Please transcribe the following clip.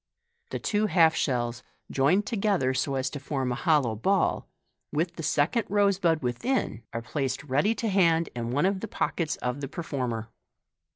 The two half shells, joined together so as to form a hollow ball, with the second rose bud within, are placed ready to hand in one of the pochettes of the performer.